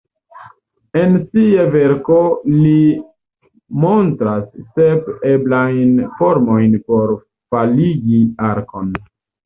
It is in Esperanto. En sia verko li montras sep eblajn formojn por faligi arkon.